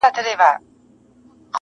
ما دغربت د لاسه شيخه واده کړے نه وو